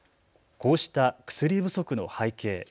こうした薬不足の背景。